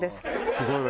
すごいわ。